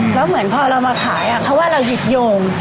แล้วเหมือนพอเรามาขายเขาว่าเราหยิบโยม